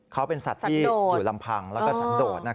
เขาเป็นสัตว์ที่อยู่ลำพังแล้วก็สันโดด